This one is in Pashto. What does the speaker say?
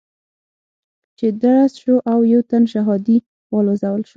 چې درز شو او يو تن شهادي والوزول شو.